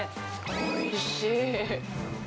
おいしい。